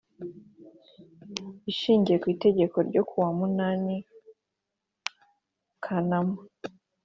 Ishingiye kwItegeko ryo kuwa munani kanama